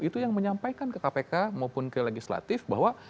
itu yang menyampaikan ke kpk maupun ke legislatif bahwa